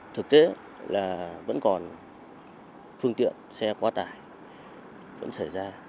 thực tế là vẫn còn phương tiện xe quá tải vẫn xảy ra